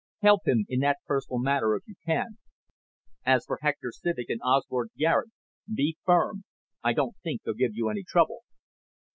Help him in that personal matter if you can. As for Hector Civek and Osbert Garet, be firm. I don't think they'll give you any trouble."